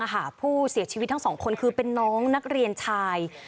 ผู้เสียชีวิตทั้งสองคนคือเป็นน้องนักเรียนชาย